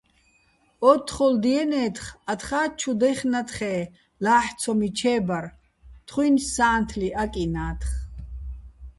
ო́თთხოლ დიენე́თხ, ათხა́ ჩუ დაჲხნათხე́ ლაჰ̦ ცომიჩე́ ბარ, თხუ́ჲნი̆ სა́ნთლი აკჲინა́თხ.